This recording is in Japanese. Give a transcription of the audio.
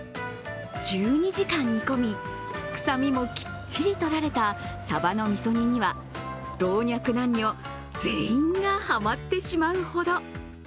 １２時間、煮込み臭みもきっちりとられたさばのみそ煮には老若男女全員がハマってしまうほど。